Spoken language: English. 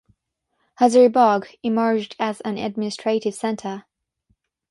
Hazaribagh emerged as an administrative centre.